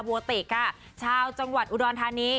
โวติค่ะชาวจังหวัดอุดรธานี